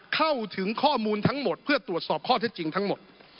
เข้าถึงข้อมูลทั้งหมดเพื่อตรวจสอบข้อเท็จจริงทั้งหมด